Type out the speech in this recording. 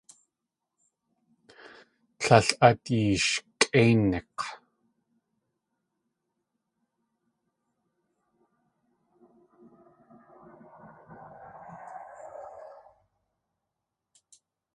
Líl át yishkʼéinik̲!